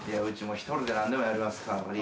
一人で何でもやりますから力。